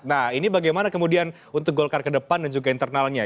nah ini bagaimana kemudian untuk golkar ke depan dan juga internalnya